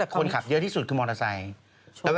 คนขับเยอะที่สุดคือมอเตอร์ไซค์